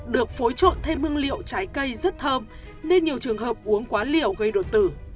được phối trộn thêm hương liệu trái cây rất thơm nên nhiều trường hợp uống quá liều gây đột tử